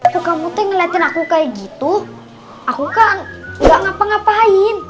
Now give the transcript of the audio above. tuh kamu tuh yang ngeliatin aku kayak gitu aku kan gak ngapa ngapain